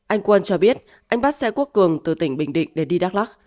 anh quân cho biết anh bắt xe quốc cường từ tỉnh bình định để đi đắk lắc